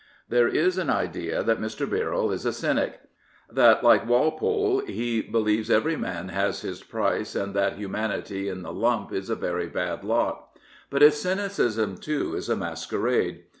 There is an idea that Mr. Birrell is a cynic — that, like Walpole, he believes every man has his price and that humanity in the lump is a very bad lot. But his cynicism, too, is a masquerade.